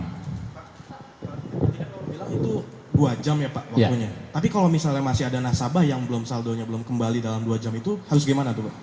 pak tadi saya bilang itu dua jam ya pak waktunya tapi kalau misalnya masih ada nasabah yang saldonya belum kembali dalam dua jam itu harus bagaimana